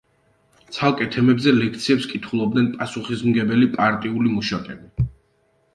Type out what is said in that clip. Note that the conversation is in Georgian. ცალკე თემებზე ლექციებს კითხულობდნენ პასუხისმგებელი პარტიული მუშაკები.